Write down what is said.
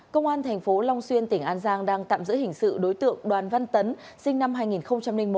công an thành phố long xuyên tỉnh an giang đang tạm giữ hình sự đối tượng đoàn văn tấn sinh năm hai nghìn một